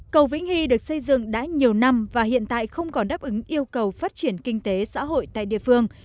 cầu vĩnh hy được xây dựng đã nhiều năm và hiện tại không còn đáp ứng yêu cầu phát triển kinh tế xã hội tại địa phương